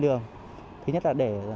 đường thứ nhất là để